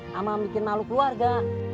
sama bikin malu keluarga